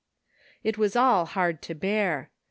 It was all hard to bear.